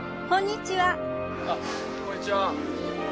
こんにちは。